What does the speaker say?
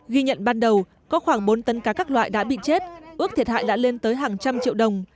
ghi nhận ban đầu có khoảng bốn tấn cá các loại đã bị chết ước thiệt hại đã lên tới hàng trăm triệu đồng